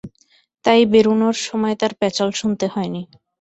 তাই বেরুনোর সময় তার প্যাচাল শুনতে হয়নি।